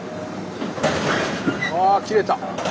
ああ切れた！